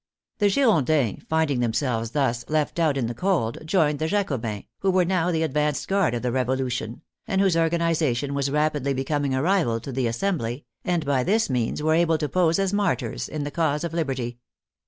The Girondins finding themselves thus left out in the cold, joined the Jacobins, who were now the advanced guard of the Revolution, and whose organization was rapidly becoming a rival to the Assembly, and by this means were able to pose as martyrs in the cause of lib erty.